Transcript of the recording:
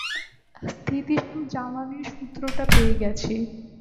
স্থিতিশীল জ্বালানীর সূত্রটা পেয়ে গেছি।